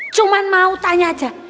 cuman mau tanya aja